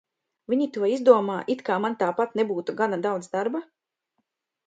Viņi to izdomā, it kā man tāpat nebūtu gana daudz darba?